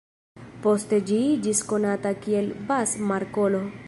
Poste ĝi iĝis konata kiel Bass-Markolo.